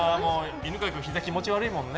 犬飼君、ひざ気持ち悪いもんね。